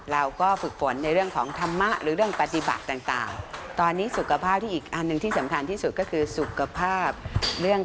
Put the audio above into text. เราก็ฝึกฝนในเรื่องของธรรมะหรือเรื่องปฏิบัติต่าง